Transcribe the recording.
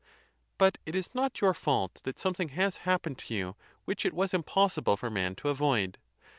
But it is not your fault that something has happened to you which it was impossible for man to avoid.